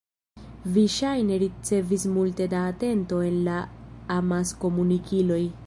Vi ŝajne ricevis multe da atento en la amaskomunikiloj.